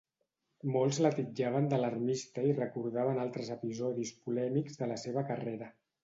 Molts la titllaven d'alarmista i recordaven altres episodis polèmics de la seva carrera.